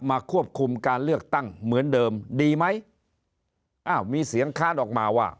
ควบคุมการเลือกตั้งเหมือนเดิมดีไหมอ้าวมีเสียงค้านออกมาว่า